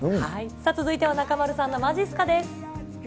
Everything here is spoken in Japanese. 続いては中丸さんのまじっすかです。